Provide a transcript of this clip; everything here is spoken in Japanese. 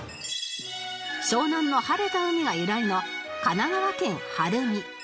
湘南の晴れた海が由来の神奈川県はるみ